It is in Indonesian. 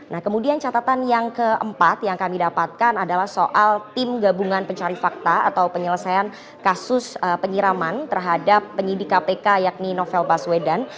nah kemudian catatan yang keempat yang kami dapatkan adalah soal tim gabungan pencari fakta atau penyelesaian kasus penyiraman terhadap penyidik kpk yakni novel baswedan